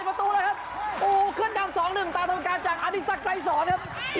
โอ้โหขึ้นดำ๒๑ตามตรงกลางจากอาริสักไกรสอนครับ